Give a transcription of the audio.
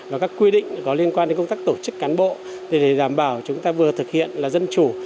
và các quy định có liên quan đến công tác tổ chức cán bộ để đảm bảo chúng ta vừa thực hiện là dân chủ